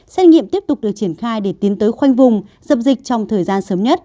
xét nghiệm tiếp tục được triển khai để tiến tới khoanh vùng dập dịch trong thời gian sớm nhất